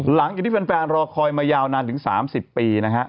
หลังจากที่แฟนรอคอยมายาวนานถึง๓๐ปีนะฮะ